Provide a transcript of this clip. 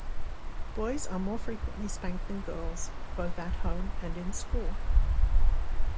Boys are more frequently spanked than girls, both at home and in school.